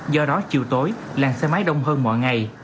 do đó chiều tối làng xe máy đông hơn mọi ngày